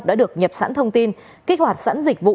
đã được nhập sẵn thông tin kích hoạt sẵn dịch vụ